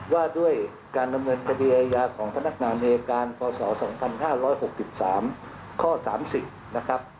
ว่าด้วยการลำเนินคดีอายาของพนักงานเอการศาล๑๙๘๕๖๓ข้อ๓๐